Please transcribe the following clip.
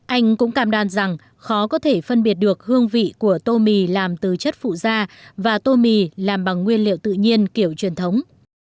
anh cũng cam đan rằng khó có thể phân biệt được hương vị của tô mì làm từ chất phụ da và tô mì làm bằng nguyên liệu tự nhiên kiểu truyền thống